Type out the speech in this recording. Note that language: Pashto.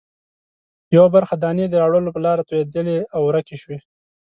یوه برخه دانې د راوړلو په لاره توېدلې او ورکې شوې.